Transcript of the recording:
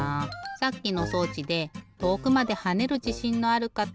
さっきの装置で遠くまで跳ねるじしんのあるかた。